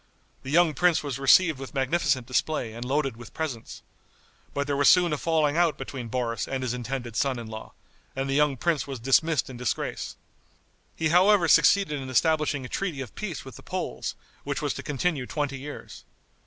The young prince was received with magnificent display and loaded with presents. But there was soon a falling out between Boris and his intended son in law, and the young prince was dismissed in disgrace. He however succeeded in establishing a treaty of peace with the Poles, which was to continue twenty years.